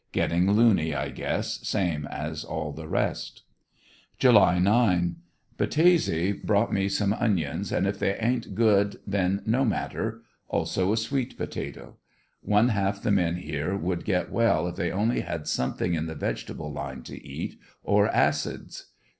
Getting loony, I guess, same as all the rest. July 9. — Battese brought me some onions, and if they ain't good then no matter; also a sweet potato. One half the men here would get well if they only had something in the vegetable line to eat, or acids.